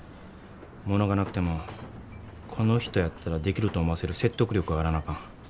物がなくてもこの人やったらできると思わせる説得力があらなあかん。